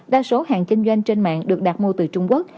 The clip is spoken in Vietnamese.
đa số hàng kinh doanh trên mạng được đặt mua từ trung quốc